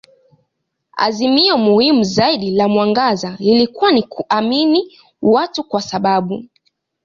Azimio muhimu zaidi la mwangaza lilikuwa ni kuamini watu kwa sababu.